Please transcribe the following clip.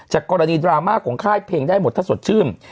กรณีดราม่าของค่ายเพลงได้หมดถ้าสดชื่น